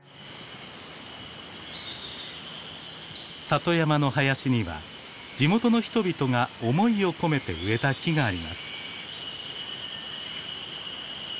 里山の林には地元の人々が思いを込めて植えた木があります。